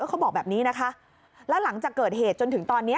เขาบอกแบบนี้นะคะแล้วหลังจากเกิดเหตุจนถึงตอนนี้